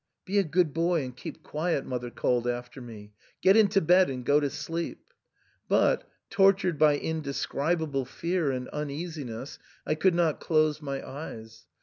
" Be a good boy and keep quiet," mother called after me ; "get into bed and go to sleep." But, tortured by inde scribable fear and uneasiness, I could not close my eyes.